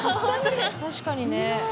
確かにね。